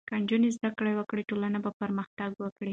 که نجونې زدهکړه وکړي، ټولنه به پرمختګ وکړي.